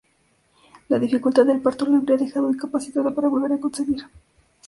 La dificultad del parto la habría dejado incapacitada para volver a concebir.